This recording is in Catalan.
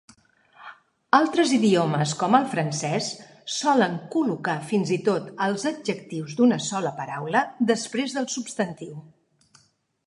Altres idiomes, com el francès, solen col·locar fins i tot els adjectius d'una sola paraula després del substantiu.